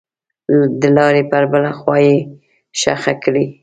دلارې پر بله خوا یې ښخه کړئ.